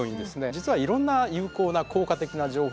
実はいろんな有効な効果的な情報がですね